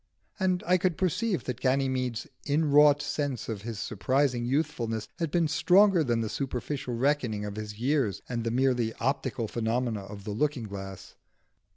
And I could perceive that Ganymede's inwrought sense of his surprising youthfulness had been stronger than the superficial reckoning of his years and the merely optical phenomena of the looking glass.